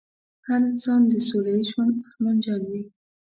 هر انسان د سوله ييز ژوند ارمانجن وي.